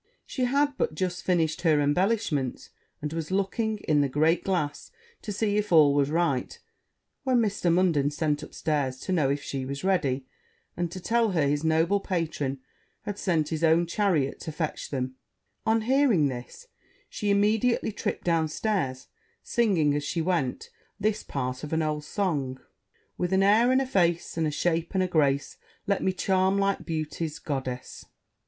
She had but just finished her embellishments, and was looking in the great glass to see if all was right, when Mr. Munden sent up stairs to know if she was ready, and to tell her his noble patron had sent his own chariot to fetch them: on hearing this she immediately tripped down stairs, singing, as she went, this part of an old song 'With an air and a face, And a shape and a grace, Let me charm like beauty's goddess.'